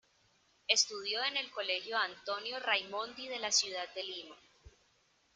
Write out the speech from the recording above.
Estudió en el Colegio Antonio Raimondi de la ciudad de Lima.